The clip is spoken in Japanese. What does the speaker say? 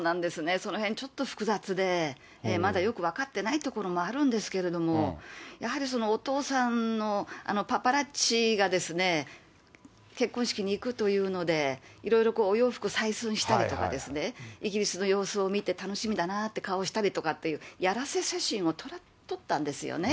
そのへんちょっと複雑で、まだよく分かってないところもあるんですけれども、やはりその、お父さんの、パパラッチがですね、結婚式に行くというので、いろいろお洋服、採寸したりとかですね、イギリスの様子を見て楽しみだなぁって顔したりとかっていう、やらせ写真を撮ったんですよね。